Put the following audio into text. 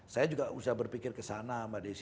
saya juga usah berpikir kesana mbak desi